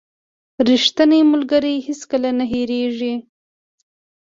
• ریښتینی ملګری هیڅکله نه هېریږي.